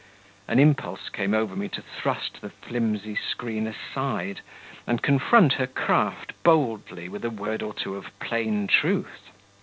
An impulse came over me to thrust the flimsy screen aside, and confront her craft boldly with a word or two of plain truth.